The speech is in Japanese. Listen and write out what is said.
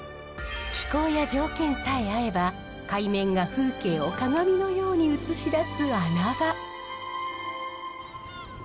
気候や条件さえ合えば海面が風景を鏡のように映し出す穴場。